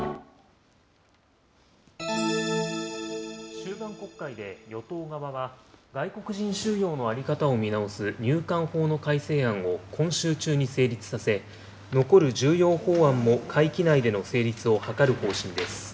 終盤国会で与党側は、外国人収容の在り方を見直す入管法の改正案を今週中に成立させ、残る重要法案も会期内での成立を図る方針です。